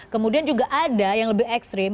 kemudian juga ada yang lebih ekstrim